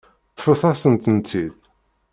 Ṭṭfet-asen-tent-id.